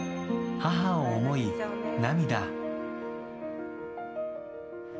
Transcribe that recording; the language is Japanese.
母を思い、涙。